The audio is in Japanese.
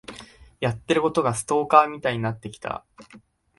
やってることがストーカーみたいになってきた。